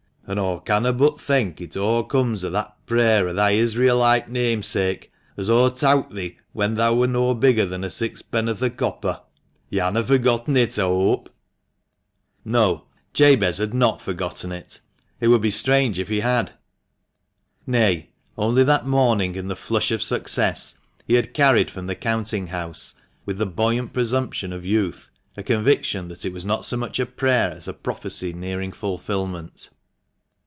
An' aw canno' but thenk it o' comes o' that prayer o' thy Israelite namesake, as aw towt thee when thou were no bigger than sixpenn'orth o' copper. Yo' hanna furgetten it, aw hope ?" THE MANCHESTER MAN. 263 No, Jabez had not forgotten it! It would be strange if he had. Nay, only that morning, in the flush of success he had carried from the counting house, with the buoyant presumption of youth, a conviction that it was not so much a prayer as a prophecy nearing fulfilment.